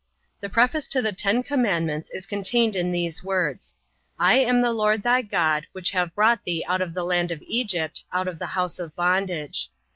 The preface to the Ten Commandments is contained in these words, I am the LORD thy God, which have brought thee out of the land of Egypt, out of the house of bondage.